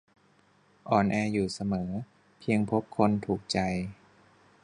"อ่อนแออยู่เสมอ เพียงพบคนถูกใจ"